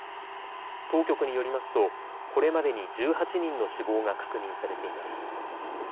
当局によりますとこれまでに１８人の死亡が確認されています。